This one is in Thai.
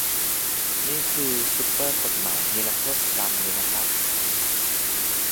นี่คือซูเปอร์กฎหมายนิรโทษกรรมเลยนะครับ